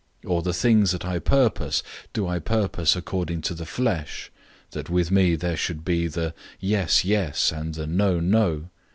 Or the things that I purpose, do I purpose according to the flesh, that with me there should be the "Yes, yes" and the "No, no?"